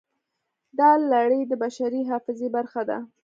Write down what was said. دا لړۍ د بشري حافظې برخه ده.